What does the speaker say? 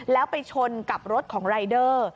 แล้วไปชนกับรถของรายเดอร์